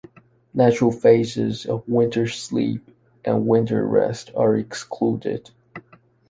Natural phases of winter sleep and winter rest are excluded.